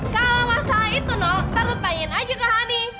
kalau masalah itu nol ntar lo tanyain aja ke honey